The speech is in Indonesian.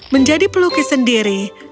menjadi pelukis sendiri